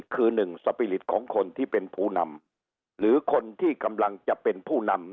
คือหนึ่งสปีริตของคนที่เป็นผู้นำหรือคนที่กำลังจะเป็นผู้นำ